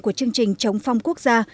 của chương trình chống phong quốc gia